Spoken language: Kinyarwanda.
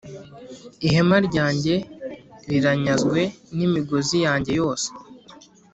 Ihema ryanjye riranyazwe n’imigozi yanjye yose